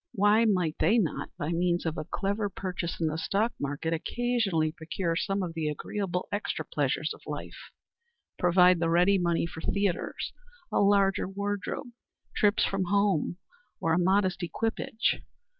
Why might they not, by means of a clever purchase in the stock market, occasionally procure some of the agreeable extra pleasures of life provide the ready money for theatres, a larger wardrobe, trips from home, or a modest equipage?